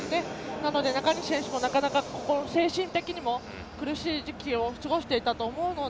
なので、中西選手も精神的にも苦しい時期を過ごしていたと思うので。